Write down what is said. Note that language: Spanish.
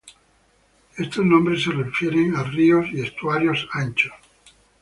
Estos nombres se refieren ríos y estuarios anchos.